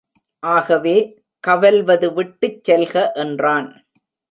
ஆகவே கவல்வது விட்டுச் செல்க, என்றான்.